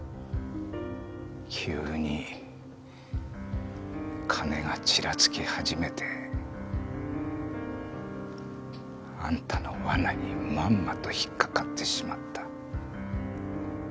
急に金がチラつき始めてあんたの罠にまんまと引っかかってしまった。